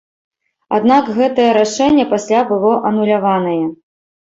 Аднак гэтае рашэнне пасля было ануляванае.